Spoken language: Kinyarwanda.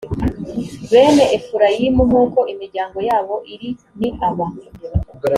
bene efurayimu nk’uko imiryango yabo iri ni aba: